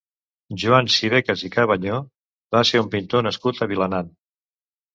Joan Sibecas i Cabanyó va ser un pintor nascut a Vilanant.